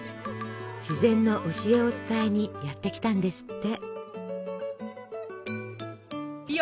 自然の教えを伝えにやって来たんですって！